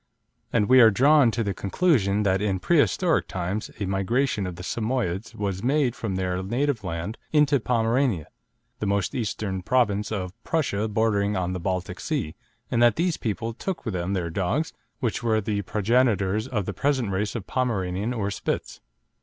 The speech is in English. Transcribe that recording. And we are drawn to the conclusion that in prehistoric times a migration of the Samoyedes was made from their native land into Pomerania, the most eastern province of Prussia bordering on the Baltic Sea, and that these people took with them their dogs, which were the progenitors of the present race of Pomeranian or Spitz.